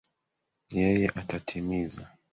Yeye atatimiza.